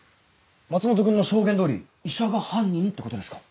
松本君の証言通り医者が犯人ってことですか？